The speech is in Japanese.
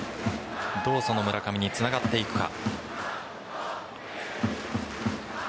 どう、その村上につながっていくか。